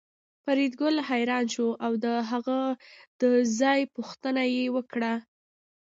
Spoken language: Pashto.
فریدګل حیران شو او د هغه د ځای پوښتنه یې وکړه